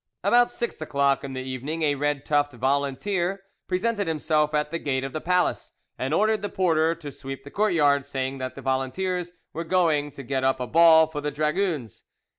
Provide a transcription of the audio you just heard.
About six o'clock in the evening a red tuft volunteer presented himself at the gate of the palace, and ordered the porter to sweep the courtyard, saying that the volunteers were going to get up a ball for the dragoons.